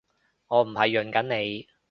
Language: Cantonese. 我唔係潤緊你